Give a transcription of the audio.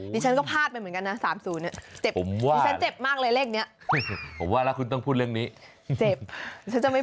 ดิฉันก็พลาดไปเหมือนกันนะ